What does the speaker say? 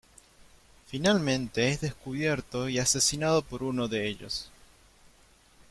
Finalmente es descubierto y asesinado por uno de ellos.